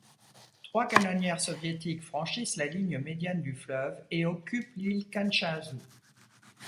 Trois canonnières soviétiques franchissent la ligne médiane du fleuve et occupent l'île Kanchazu.